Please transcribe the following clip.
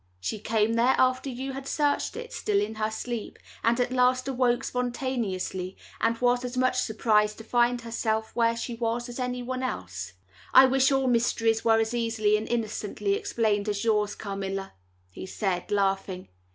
"She came there after you had searched it, still in her sleep, and at last awoke spontaneously, and was as much surprised to find herself where she was as any one else. I wish all mysteries were as easily and innocently explained as yours, Carmilla," he said, laughing.